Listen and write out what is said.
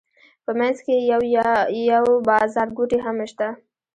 په منځ کې یې یو بازارګوټی هم شته.